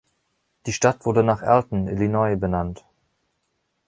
Die Stadt wurde nach Alton, Illinois, benannt.